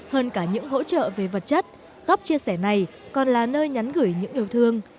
hơn cả những hỗ trợ về vật chất góc chia sẻ này còn là nơi nhắn gửi những yêu thương